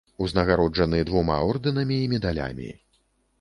Узнагароджаны двума ордэнамі і медалямі.